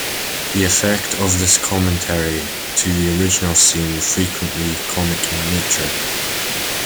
The effect is of commentary to the original scene, frequently comic in nature.